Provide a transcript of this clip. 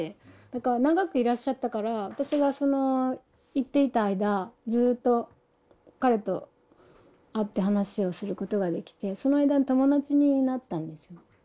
だから長くいらっしゃったから私がその行っていた間ずっと彼と会って話をすることができてその間友達になったんですよ。